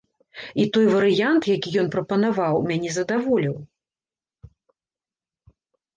І той варыянт, які ён прапанаваў, мяне задаволіў.